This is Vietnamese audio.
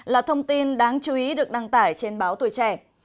là thông tin đáng chú ý được đăng tải trên báo tuổi trẻ